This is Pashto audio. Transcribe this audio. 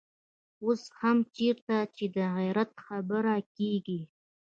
اوس هم چېرته چې د غيرت خبره کېږي.